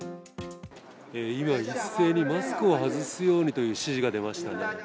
今、一斉にマスクを外すようにという指示が出ましたね。